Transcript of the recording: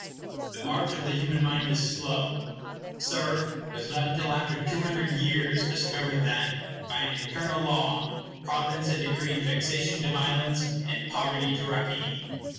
The march of the human mind is slow. Sir, it was not until after two hundred years discovered that, by an eternal law, providence had decreed vexation to violence, and poverty to rapine.